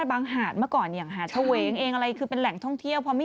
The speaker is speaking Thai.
ไปคนเดียวน่ะ